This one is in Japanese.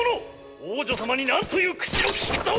王女様に何という口の利き方を！！